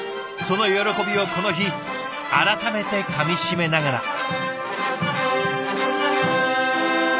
その喜びをこの日改めてかみしめながら。